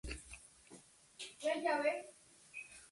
La persona que repite.